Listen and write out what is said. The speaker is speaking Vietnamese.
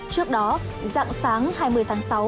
trước đó dặng sáng hai mươi tháng sáu